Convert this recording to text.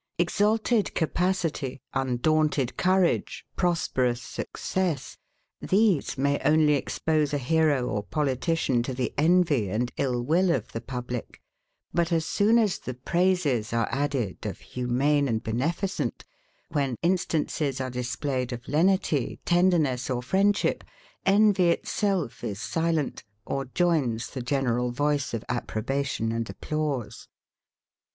Exalted capacity, undaunted courage, prosperous success; these may only expose a hero or politician to the envy and ill will of the public: but as soon as the praises are added of humane and beneficent; when instances are displayed of lenity, tenderness or friendship; envy itself is silent, or joins the general voice of approbation and applause.